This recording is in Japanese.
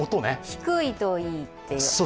低いといいっていう。